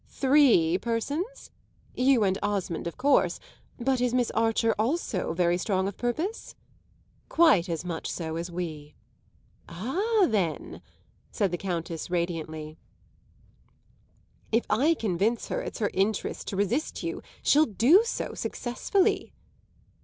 "Three persons? You and Osmond of course. But is Miss Archer also very strong of purpose?" "Quite as much so as we." "Ah then," said the Countess radiantly, "if I convince her it's her interest to resist you she'll do so successfully!"